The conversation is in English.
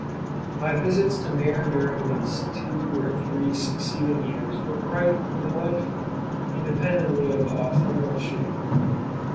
My visits to Maer during these two or three succeeding years were quite delightful, independently of the autumnal shooting.